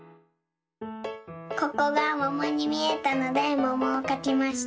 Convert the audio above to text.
ここがももにみえたのでももをかきました。